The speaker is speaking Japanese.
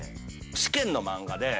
試験の漫画で。